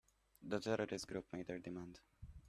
The terrorist group made their demand.